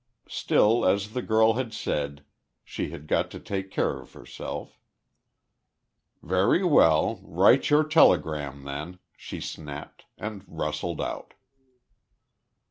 Still, as the girl had said, she had got to take care of herself. "Very well, write your telegram then," she snapped, and rustled out.